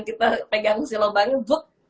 kita pegang si lubangnya buk